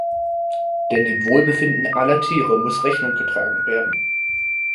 Denn dem Wohlbefinden aller Tiere muss Rechnung getragen werden!